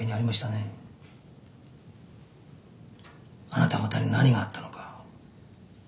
あなた方に何があったのか。